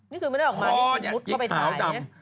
นี่คือไม่ได้ออกมามีสีมุดเข้าไปถ่าย